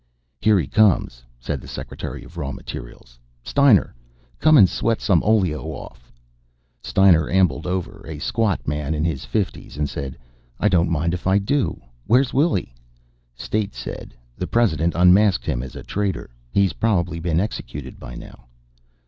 "Here he comes," said the Secretary of Raw Materials. "Steiner! Come and sweat some oleo off!" Steiner ambled over, a squat man in his fifties, and said: "I don't mind if I do. Where's Willy?" State said: "The President unmasked him as a traitor. He's probably been executed by now."